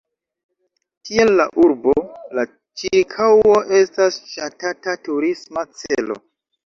Tiel la urbo, la ĉirkaŭo estas ŝatata turisma celo.